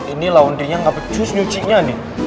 ini laundry nya nggak pecus nyucinya nih